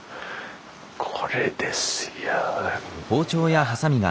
これですよ。